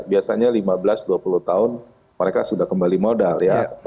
biasanya lima belas dua puluh tahun mereka sudah kembali modal ya